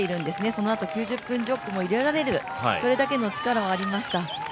そのあと９０分ジョグも入れられる、それだけの力もありました。